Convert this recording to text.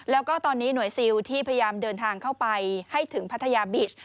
แล้วก็ตอนนี้หน่วยซิลที่พยายามเดินทางเข้าไปให้ถึงพัทยาบิต